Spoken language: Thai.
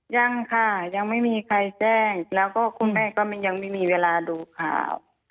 ยังค่ะยังไม่มีใครแจ้งแล้วก็คุณแม่ก็ยังไม่มีเวลาดูข่าว